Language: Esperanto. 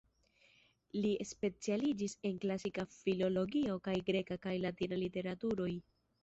Li specialiĝis en Klasika Filologio kaj greka kaj latina literaturoj.